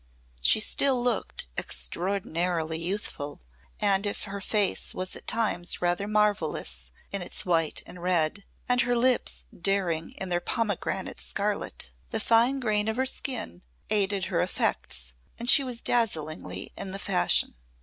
She still looked extraordinarily youthful and if her face was at times rather marvelous in its white and red, and her lips daring in their pomegranate scarlet, the fine grain of her skin aided her effects and she was dazzlingly in the fashion.